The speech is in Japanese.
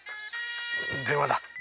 電話だ。